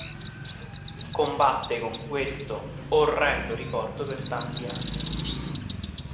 Combatte con questo orrendo ricordo per tanti anni.